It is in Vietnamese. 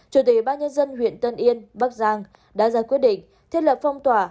chủ tịch bác nhân dân huyện tân yên bắc giang đã ra quyết định thiết lập phong tỏa